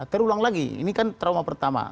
terulang lagi ini kan trauma pertama